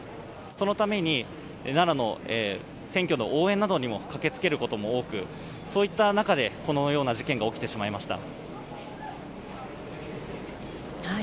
そのために奈良の選挙の応援などにも駆け付けることも多くそういった中でこのような事件が起きてしまいました。